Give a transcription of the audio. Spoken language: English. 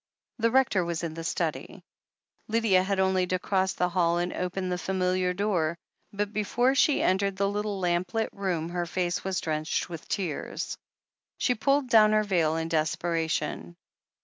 The Rector was in the study. Lydia had only to cross the hall and open the familiar door, but before she entered the little lamp lit room her face was drenched with tears. She pulled down her veil in desperation.